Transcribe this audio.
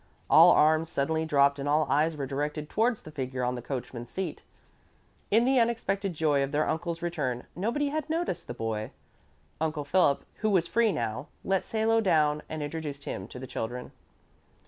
All arms suddenly dropped and all eyes were directed towards the figure on the coachman's seat. In the unexpected joy of their uncle's return nobody had noticed the boy. Uncle Philip, who was free now, let Salo get down and introduced him to the children.